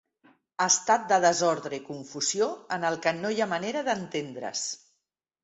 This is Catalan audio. Estat de desordre i confusió en el que no hi ha manera d'entendre's.